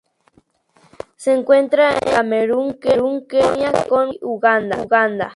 Se encuentra en Camerún, Kenia, Congo y Uganda.